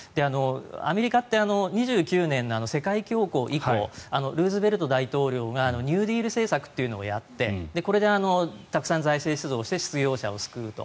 アメリカって２９年の世界恐慌以降ルーズベルト大統領がニューディール政策をやってこれでたくさん財政出動をして失業者を救うと。